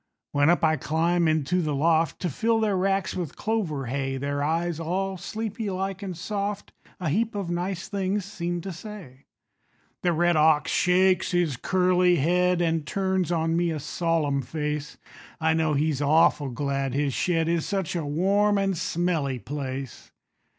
When up I climb into the loft To fill their racks with clover hay, Their eyes, all sleepy like and soft, A heap of nice things seem to say. The red ox shakes his curly head, An' turns on me a solemn face; I know he's awful glad his shed Is such a warm and smelly place.